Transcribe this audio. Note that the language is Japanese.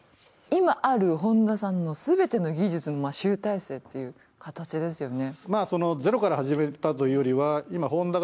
今あるホンダさんのすべての技術の集大成っていう形ですよね。